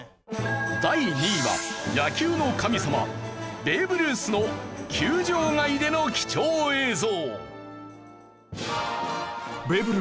第２位は野球の神様ベーブ・ルースの球場外での貴重映像。